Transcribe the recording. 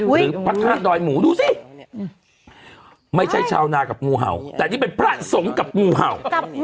หรือพระธาตุดอยหมูดูสิไม่ใช่ชาวนากับงูเห่าแต่นี่เป็นพระสงฆ์กับงูเห่า